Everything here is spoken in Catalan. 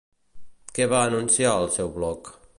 Què va anunciar al seu blog?